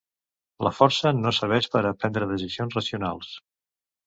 La força no serveix per a prendre decisions racionals.